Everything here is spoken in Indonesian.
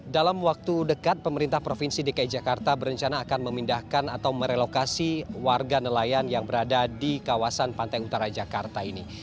dalam waktu dekat pemerintah provinsi dki jakarta berencana akan memindahkan atau merelokasi warga nelayan yang berada di kawasan pantai utara jakarta ini